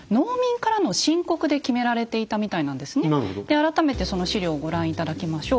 改めてその史料をご覧頂きましょう。